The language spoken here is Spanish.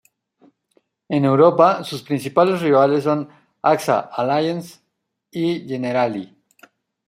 En Europa, sus principales rivales son Axa, Allianz y Generali.